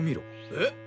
えっ？